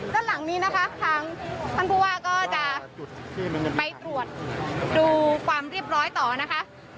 แล้วหลังนี้นะคะทางพันธุ์ภูมิว่าก็จะไปตรวจดูความเรียบร้อยต่อนะคะ